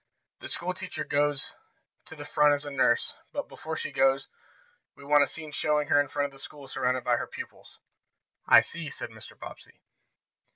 "The school teacher goes to the front as a nurse, but before she goes, we want a scene showing her in front of the school surrounded by her pupils." "I see," said Mr. Bobbsey.